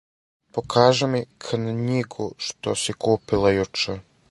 Покажи ми кнњигу што си купила јуче.